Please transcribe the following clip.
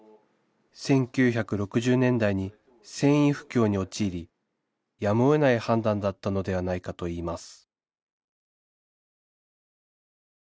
１９６０年代に繊維不況に陥りやむを得ない判断だったのではないかといいます